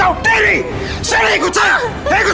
aku udah mulai hilang kesempatan sama kamu